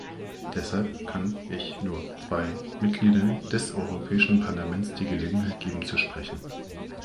Deshalb kann ich nur zwei Mitgliedern des Europäischen Parlaments die Gelegenheit geben, zu sprechen.